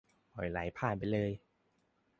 ปล่อยไหลผ่านไปเลย